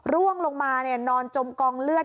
ร่วงลงมานอนจมกองเลือด